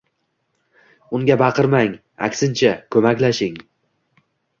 unga baqirmang, aksincha, ko‘maklashing.